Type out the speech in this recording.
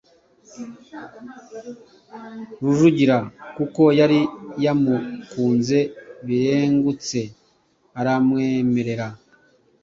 Rujugira, kuko yari yamukunze birengutse, aramwemerera.